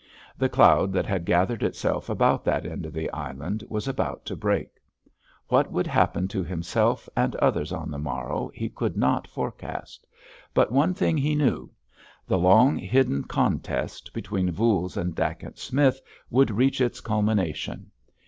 The cloud that had gathered itself about that end of the island was about to break. What would happen to himself and others on the morrow he could not forecast. But one thing he knew—the long, hidden contest between Voules and Dacent Smith would reach its culmination.